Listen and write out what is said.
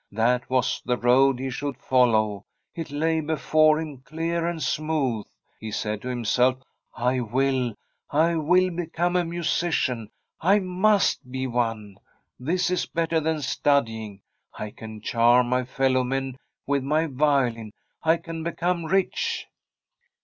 That was the road he should follow; it lay before him clear and smooth. He said to himself :' I will — I will be come a musician I I must be one I This is better than studying. I can charm my fellow men with my violin ; I can become rich.'